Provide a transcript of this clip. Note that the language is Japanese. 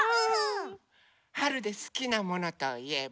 はるですきなものといえば？